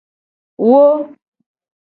Wo.